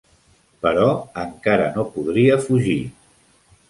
Però encara no podria fugir.